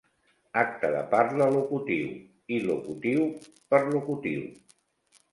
Acte de parla locutiu, il·locutiu, perlocutiu.